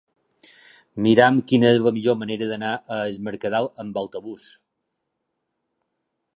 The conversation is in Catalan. Mira'm quina és la millor manera d'anar a Es Mercadal amb autobús.